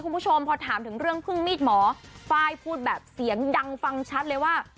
คุณผู้ชมพอถามถึงเรื่องพึ่งมีดหมอไฟล์พูดแบบเสียงดังฟังชัดเลยว่า